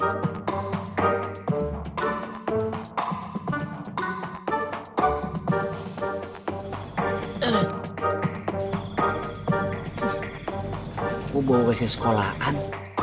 aku bawa ke sekolahan